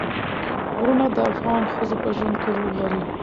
غرونه د افغان ښځو په ژوند کې رول لري.